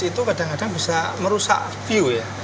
itu kadang kadang bisa merusak view ya